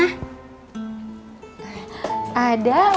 olah olah yang buat pebri mana